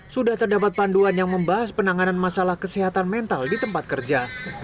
sudah terdapat panduan yang membahas penanganan masalah kesehatan mental di tempat kerja